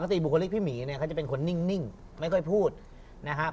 ปกติบุคลิกพี่หมีเนี่ยเขาจะเป็นคนนิ่งไม่ค่อยพูดนะครับ